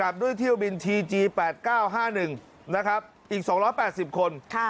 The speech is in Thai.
บินทีจีแปดเก้าห้าหนึ่งนะครับอีกสองร้อยแปดสิบคนค่ะ